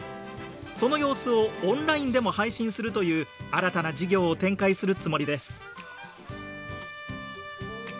その様子をオンラインでも配信するという新たな事業を展開するつもりです。